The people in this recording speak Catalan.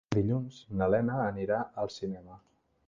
Dilluns na Lena anirà al cinema.